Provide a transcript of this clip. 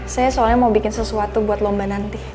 saya soalnya mau bikin sesuatu buat lomba nanti